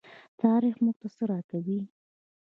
تاریخ موږ ته څه راکوي؟